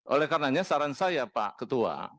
oleh karenanya saran saya pak ketua